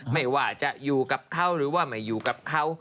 ไม่ว่าจะอยู่กับเขาหรือว่าไม่อยู่กับเขา